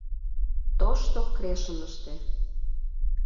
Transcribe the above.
Тошто Крешыныште